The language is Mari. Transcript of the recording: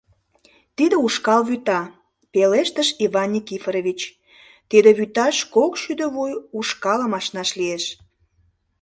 — Тиде ушкал вӱта, — пелештыш Иван Никифорович, — тиде вӱташ кок шӱдӧ вуй ушкалым ашнаш лиеш.